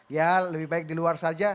ya lebih baik di luar saja